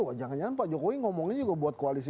wah jangan jangan pak jokowi ngomongnya juga buat koalisi